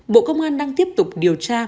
bộ công an đang tiếp tục điều tra